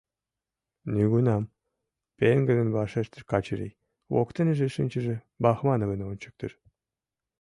— Нигунам! — пеҥгыдын вашештыш Качырий, воктеныже шинчыше Бахмановым ончыктыш.